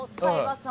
さん